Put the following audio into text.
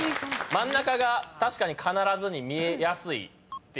真ん中が確かに「必ず」に見えやすいっていうことですよね。